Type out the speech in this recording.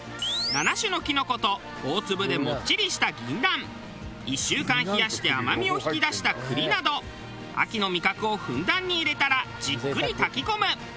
７種のキノコと大粒でもっちりした銀杏１週間冷やして甘みを引き出した栗など秋の味覚をふんだんに入れたらじっくり炊き込む。